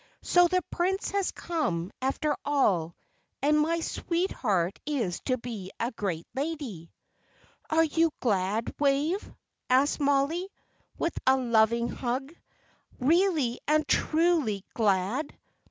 "So the Prince has come, after all, and my sweetheart is to be a great lady." "Are you glad, Wave?" asked Mollie, with a loving hug, "really and truly glad?"